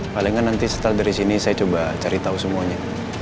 palingan nanti setelah dari sini saya coba cari tau semuanya